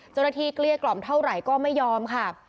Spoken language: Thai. เจ้าหน้าที่เกลี้ยกล่อมเท่าไหร่ก็ไม่ยอมค่ะ